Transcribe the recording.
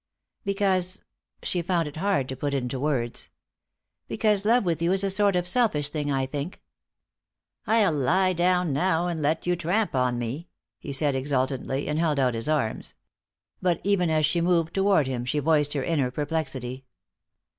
"Because " she found it hard to put into words "because love with you is a sort of selfish thing, I think." "I'll lie down now and let you tramp on me," he said exultantly, and held out his arms. But even as she moved toward him she voiced her inner perplexity.